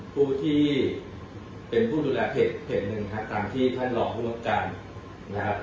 ผู้ที่เป็นผู้ดูแลเหตุเหตุหนึ่งนะครับตามที่ท่านรอภูมิธรรมการนะครับ